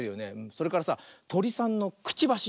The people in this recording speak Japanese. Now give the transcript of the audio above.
それからさトリさんのくちばし。